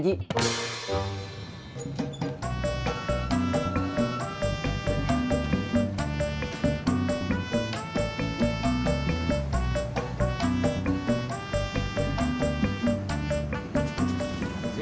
nggak jadi ngopinya d